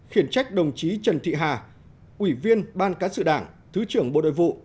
một mươi khiển trách đồng chí trần thị hà ủy viên ban cán sự đảng thứ trưởng bộ nội vụ